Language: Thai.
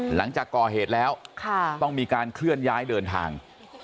หลังจากก่อเหตุแล้วต้องมีการเคลื่อนย้ายเดินทาง